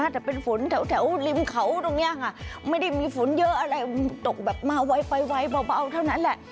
แต่เป็นฝนแถวริมเขาตรงนี้ค่ะไม่ได้มีฝนเยอะอะไรตกแบบมาไวเบาเท่านั้นแหละ